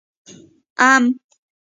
🥭 ام